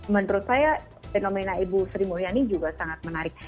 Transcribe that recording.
menurut saya fenomena ibu sri mulyani juga sangat menarik